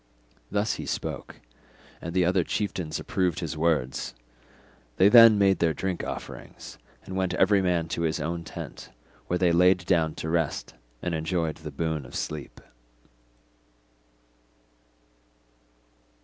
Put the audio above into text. Thus he spoke, and the other chieftains approved his words. They then made their drink offerings and went every man to his own tent, where they laid down to rest and enjoyed the boon of sleep.